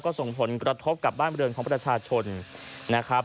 ส่งผลกระทบกับบ้านบริเวณของประชาชนนะครับ